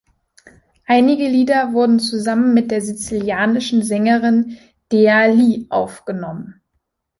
Einige Lieder wurden zusammen mit der sizilianischen Sängerin Dea-Li aufgenommen.